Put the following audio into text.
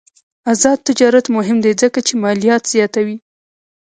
آزاد تجارت مهم دی ځکه چې مالیات زیاتوي.